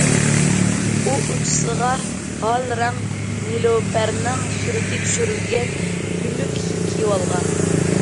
ئۇ ئۇچىسىغا ھال رەڭ نېلۇپەرنىڭ سۈرىتى چۈشۈرۈلگەن گۈللۈك كىيىم كىيىۋالغان.